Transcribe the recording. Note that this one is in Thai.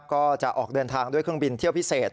ก็จะออกเดินทางด้วยเครื่องบินเที่ยวพิเศษ